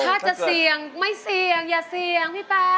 ถ้าจะเสี่ยงไม่เสี่ยงอย่าเสี่ยงพี่ป๊า